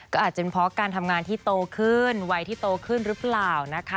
ก็อาจจะเป็นเพราะการทำงานที่โตขึ้นวัยที่โตขึ้นหรือเปล่านะคะ